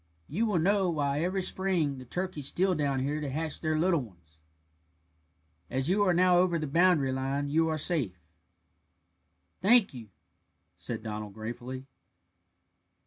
You will now know why every spring the turkeys steal down here to hatch their little ones. As you are now over the boundary line you are safe." "Thank you," said Donald gratefully.